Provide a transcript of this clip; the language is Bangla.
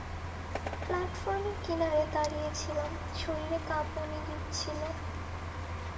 প্ল্যাটফর্মের কিনারে দাঁড়িয়ে ছিলাম, শরীরে কাঁপুনি দিচ্ছিল।